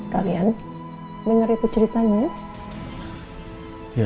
kalian dengar itu ceritanya